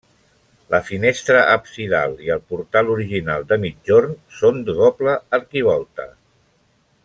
La finestra absidal i el portal original de migjorn són de doble arquivolta.